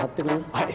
はい。